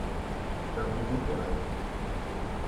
Ça vous intéresse ?